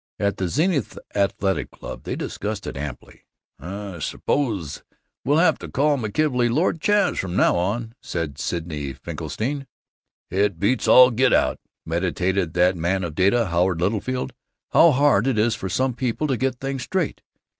At the Zenith Athletic Club they discussed it amply. "I s'pose we'll have to call McKelvey 'Lord Chaz' from now on," said Sidney Finkelstein. "It beats all get out," meditated that man of data, Howard Littlefield, "how hard it is for some people to get things straight.